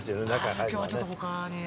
あ今日はちょっと他に。